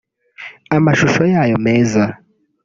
amashusho yayo meza